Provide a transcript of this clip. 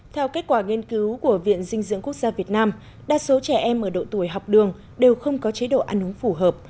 theo kết quả nghiên cứu của viện dinh dưỡng quốc gia việt nam đa số trẻ em ở độ tuổi học đường đều không có chế độ ăn uống phù hợp